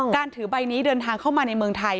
ถือใบนี้เดินทางเข้ามาในเมืองไทย